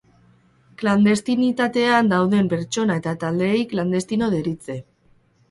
Klandestinitatean dauden pertsona eta taldeei klandestino deritze.